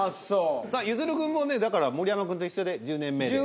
ゆずる君もねだから盛山君と一緒で１０年目。